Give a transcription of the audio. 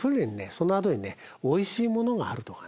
そのあとにおいしいものがあるとかね